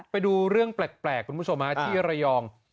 ไปดูเรื่องแปลกคุณผู้ชมที่ระยอง